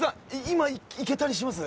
今いけたりします？